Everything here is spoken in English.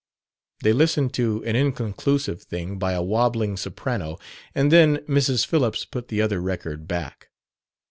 They listened to an inconclusive thing by a wobbling soprano, and then Mrs. Phillips put the other record back.